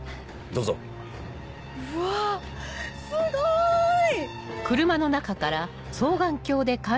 うわぁすごい！